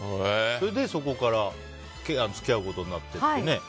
それでそこから付き合うことになって。